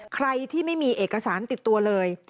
ใครที่ไม่มีเอกสารติดตัวเลย